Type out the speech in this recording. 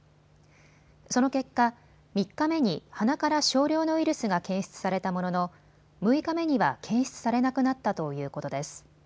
その結果、３日目に鼻から少量のウイルスが検出されたものの６日目には検出されなくなったということです。